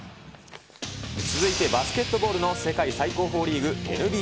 続いてバスケットボールの世界最高峰リーグ、ＮＢＡ。